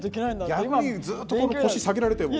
逆にずっと腰下げられても。